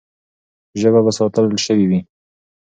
ژبه به ساتل سوې وي.